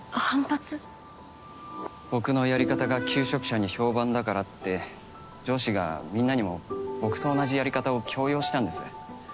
僕のやり方が求職者に評判だからって上司がみんなにも僕と同じやり方を強要したんです。